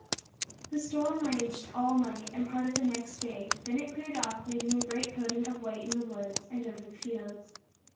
The storm raged all night, and part of the next day. Then it cleared off, leaving a great coating of white in the woods, and over the fields.